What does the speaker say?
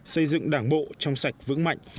xây dựng đảng bộ trong sạch vững mạnh